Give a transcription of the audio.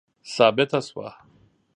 ثابته سوه.